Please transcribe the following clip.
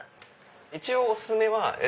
一応お薦めは。